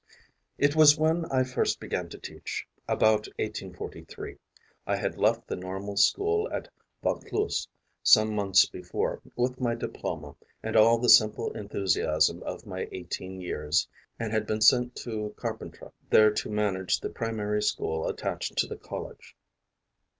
It was when I first began to teach, about 1843. I had left the normal school at Vaucluse some months before, with my diploma and all the simple enthusiasm of my eighteen years, and had been sent to Carpentras, there to manage the primary school attached to the college.